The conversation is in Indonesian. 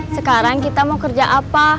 sekarang kita mau kerja apa